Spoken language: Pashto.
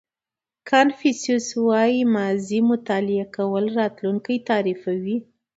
کانفیوسیس وایي ماضي مطالعه کول راتلونکی تعریفوي.